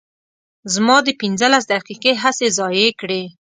زما دې پنځلس دقیقې هسې ضایع کړې.